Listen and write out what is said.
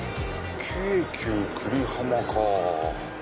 京急久里浜か。